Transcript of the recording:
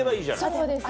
そうですね。